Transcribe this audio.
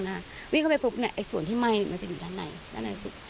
แต่หนุ่กลัวเม่าเขาจะเป็นอะไร